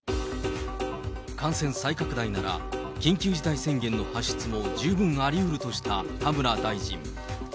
感染再拡大なら、緊急事態宣言の発出も十分ありうるとした田村大臣。